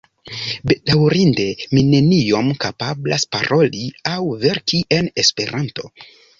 Bedaŭrinde mi neniom kapablas paroli aŭ verki en Esperanto.